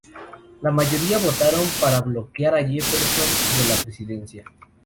La mayoría votaron para bloquear a Jefferson de la presidencia.